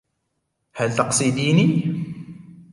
هل تقصديني؟